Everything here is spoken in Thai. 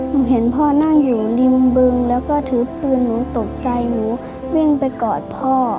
หนูเห็นพ่อนั่งอยู่ริมบึงแล้วก็ถือปืนหนูตกใจหนูวิ่งไปกอดพ่อ